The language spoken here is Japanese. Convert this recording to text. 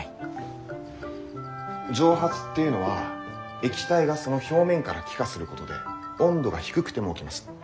蒸発っていうのは液体がその表面から気化することで温度が低くても起きます。